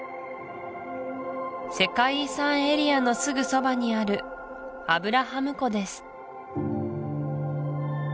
世界遺産エリアのすぐそばにあるアブラハム湖です